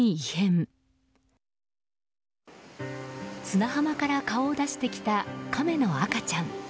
砂浜から顔を出してきたカメの赤ちゃん。